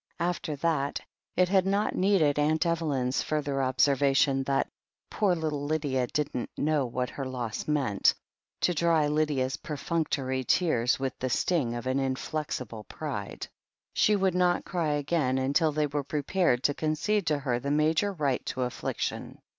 After that it had not needed Aunt Evelyn's further THE HEEL OF ACHILLES 3 observation that "poor little Lydia didn't know what her loss meant" to dry Lydia's perfunctory tears with the sting of an inflexible pride. She would not cry again until they were prepared to concede to her the major right to aiffliction!